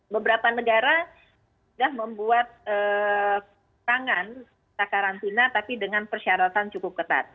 beberapa negara sudah membuat tangan karantina tapi dengan persyaratan cukup ketat